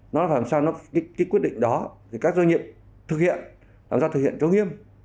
nó phải làm sao cái quyết định đó thì các doanh nghiệp thực hiện làm sao thực hiện chống hiếm